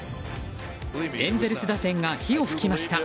エンゼルス打線が火を噴きました。